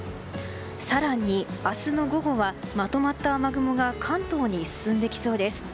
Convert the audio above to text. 更に、明日の午後はまとまった雨雲が関東に進んできそうです。